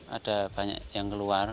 ada banyak yang keluar